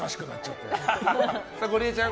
ゴリエちゃん